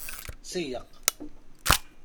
Seyyeq!